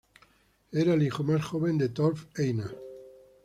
Era el hijo más joven de Torf-Einarr.